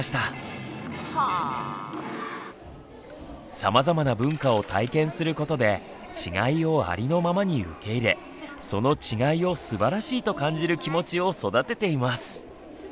さまざまな文化を体験することで違いをありのままに受け入れその違いをすばらしいと感じる気持ちを育てています。